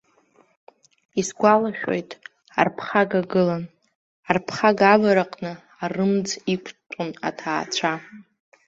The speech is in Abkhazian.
Исгәалашәоит, арԥхага гылан, арԥхага авараҟны арымӡ иқәтәон аҭаацәа.